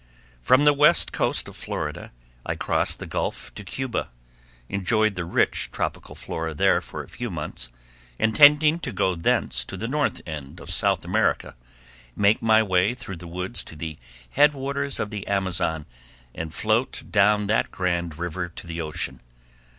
From the west coast of Florida I crossed the gulf to Cuba, enjoyed the rich tropical flora there for a few months, intending to go thence to the north end of South America, make my way through the woods to the headwaters of the Amazon, and float down that grand river to the ocean.